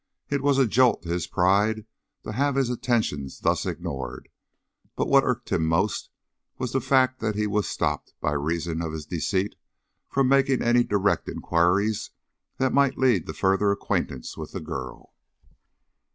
It was a jolt to his pride to have his attentions thus ignored, but what irked him most was the fact that he was stopped, by reason of his deceit, from making any direct inquiries that might lead to a further acquaintance with the girl.